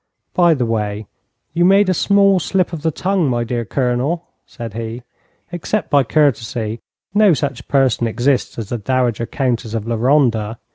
'By the way, you made a small slip of the tongue, my dear Colonel,' said he. 'Except by courtesy, no such person exists as the Dowager Countess of La Ronda.